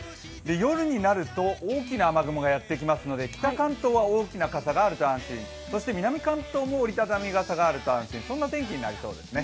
夜になると大きな雨雲がやってきますので、北関東は大きな傘があると安心、南関東も折り畳み傘があると安心、そんな天気になりそうですね。